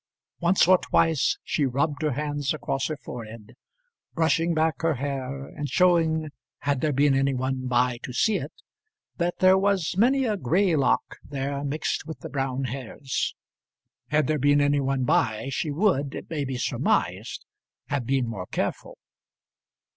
Once or twice she rubbed her hands across her forehead, brushing back her hair, and showing, had there been any one by to see it, that there was many a gray lock there mixed with the brown hairs. Had there been any one by, she would, it may be surmised, have been more careful.